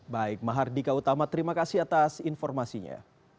baik mahardika utama terima kasih atas informasinya